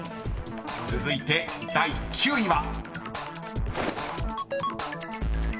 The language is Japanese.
［続いて第９位は］